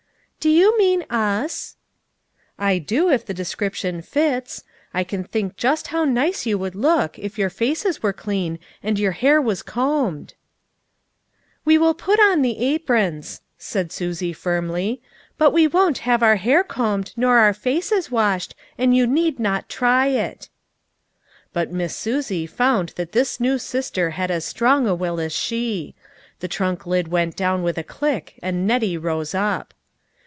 "Do you mean us?" "I do if the description fits. lean think just how nice you would look if your faces were clean and your hair was combed." THE TRUTH IS TOLD. 45 " We will put on the aprons," said Susie firmly, " but we won't have our hair combed, nor our faces washed, and you need not try it." But Miss Susie found that this new sister had as strong a will as she. The trunk lid went down with a click, and Nettie rose up.